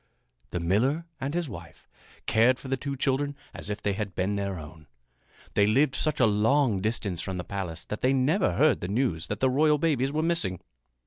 The miller and his wife cared for the two children as if they had been their own. They lived such a long distance from the palace that they never heard the news that the royal babes were missing.